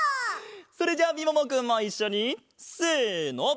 それじゃあみももくんもいっしょにせの！